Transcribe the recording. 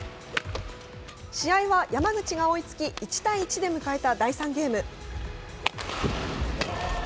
試合は山口が追いつき、１対１で迎えた第３ゲーム。